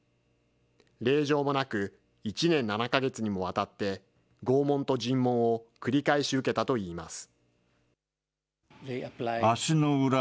令状もなく、１年７か月にもわたって、拷問と尋問を繰り返し受けたといいます。